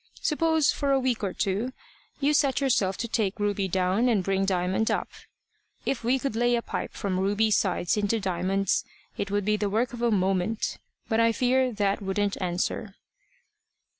Suppose, for a week or two, you set yourself to take Ruby down and bring Diamond up. If we could only lay a pipe from Ruby's sides into Diamond's, it would be the work of a moment. But I fear that wouldn't answer."